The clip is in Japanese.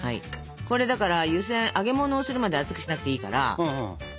これだから湯せん揚げものをするまで熱くしなくていいから。